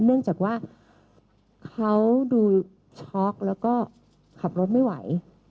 เนื่องจากว่าเขาดูช็อกแล้วก็ขับรถไม่ไหว